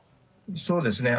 そうですね。